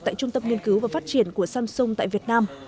tại trung tâm nghiên cứu và phát triển của samsung tại việt nam